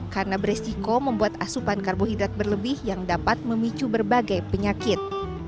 karena beresiko membuat asupan karbohidrat berlebih yang dapat memicu berbagai penyakit